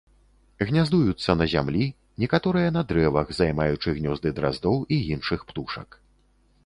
Гняздуюцца на зямлі, некаторыя на дрэвах, займаючы гнёзды драздоў і іншых птушак.